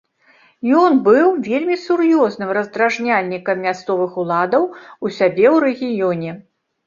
Ён быў вельмі сур'ёзным раздражняльнікам мясцовых уладаў у сябе ў рэгіёне.